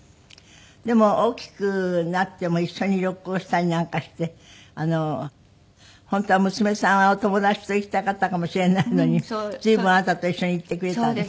でも大きくなっても一緒に旅行したりなんかして本当は娘さんはお友達と行きたかったかもしれないのに随分あなたと一緒に行ってくれたんですって？